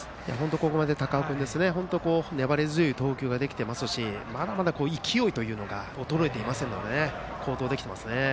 ここまで高尾君は本当に粘り強い投球ができていますしまだまだ勢いというのが衰えていませんので好投できてますね。